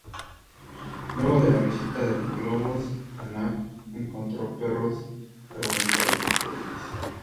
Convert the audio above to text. Luego de la visita de los globos, Knapp encontró perros carbonizados o podridos.